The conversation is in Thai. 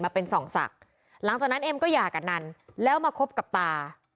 เป็นส่องศักดิ์หลังจากนั้นเอ็มก็หย่ากับนันแล้วมาคบกับตา